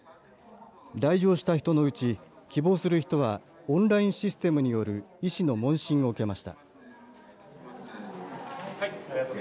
来場した人のうち希望する人はオンラインシステムによる医師の問診を受けました。